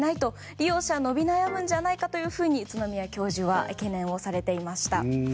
利用者が伸び悩むのではないかと宇都宮教授は懸念をされていました。